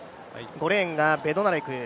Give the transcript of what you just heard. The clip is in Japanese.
５レーンがベドナレク。